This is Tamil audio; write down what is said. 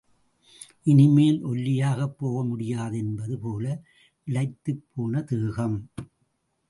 இனிமேல் ஒல்லியாகப் போக முடியாது என்பது போல இளைத்துப் போன தேகம்.